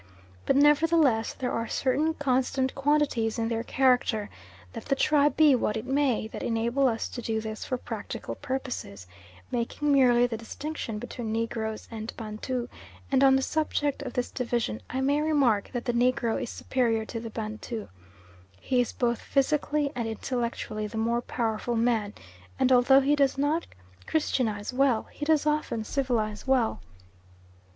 But nevertheless there are certain constant quantities in their character, let the tribe be what it may, that enable us to do this for practical purposes, making merely the distinction between Negroes and Bantu, and on the subject of this division I may remark that the Negro is superior to the Bantu. He is both physically and intellectually the more powerful man, and although he does not christianise well, he does often civilise well.